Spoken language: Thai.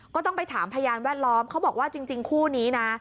ก็ต้องไปถามพยานแวดล้อมเขาบอกว่าจริงคู่นี้นะ